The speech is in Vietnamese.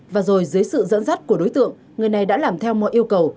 và rồi dưới sự dẫn dắt của đối tượng người này đã làm theo mọi yêu cầu